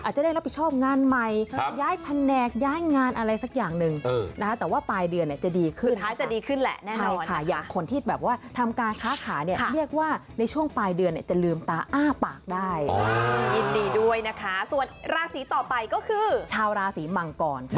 อาจจะได้รับผิดชอบงานใหม่ย้ายแผนกย้ายงานอะไรสักอย่างนึงนะคะแต่ว่าปลายเดือนเนี่ยจะดีขึ้น